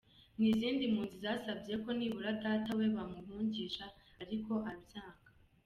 N’izindi mpunzi zasabye ko nibura data we bamuhungisha ariko arabyanga.